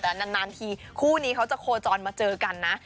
แต่นานทีคู่นี้เขาจะโคจรมาเจอกันนะ